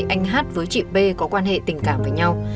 anh hát với chị b có quan hệ tình cảm với nhau